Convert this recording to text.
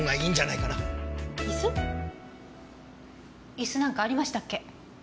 椅子なんかありましたっけ？